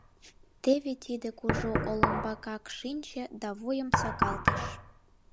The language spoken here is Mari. Теве тиде кужу олымбакак шинче да вуйым сакалтыш.